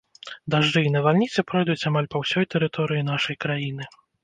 Дажджы і навальніцы пройдуць амаль па ўсёй тэрыторыі нашай краіны.